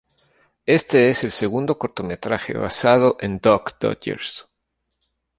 Este es el segundo cortometraje basado en Duck Dodgers.